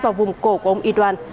vào vùng cổ của ông y doan